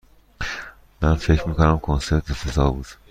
من فکر می کنم کنسرت افتضاح بود.